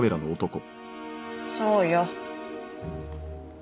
そうよ。